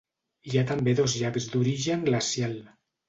Hi ha també dos llacs d'origen glacial.